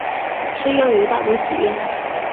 适用于大多企业。